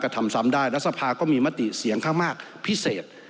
ทำซ้ำได้รัฐสภาก็มีมติเสียงข้างมากพิเศษ